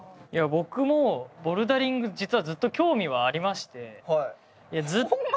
僕もボルダリング実はずっと興味はありましてずっと。